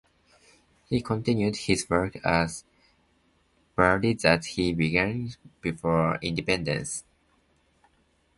He continued his work at Bari that he began before independence.